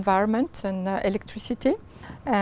vào mạng của eu